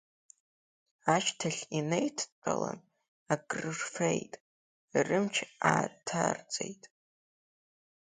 Ашьҭахь инеидтәалан акрырфеит, рымч ааҭарҵеит.